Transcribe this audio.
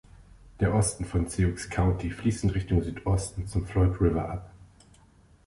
Der Osten von Sioux County fließt in Richtung Südosten zum Floyd River ab.